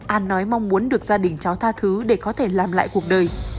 an nói mong muốn được gia đình cháu tha thứ để có thể làm lại cuộc đời